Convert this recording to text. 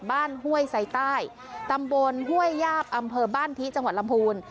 ห้วยไซใต้ตำบลห้วยยาบอำเภอบ้านทิจังหวัดลำพูน